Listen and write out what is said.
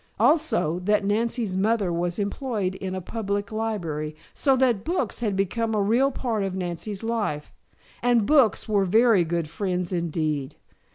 Also, that Nancy's mother was employed in a public library, so that books had become a real part of Nancy's life. And books are very good friends indeed.